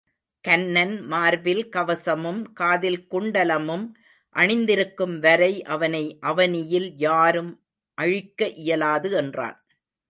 கன்னன் மார்பில் கவசமும், காதில் குண்டலமும் அணிந்திருக்கும் வரை அவனை அவனியில் யாரும் அழிக்க இயலாது என்றான்.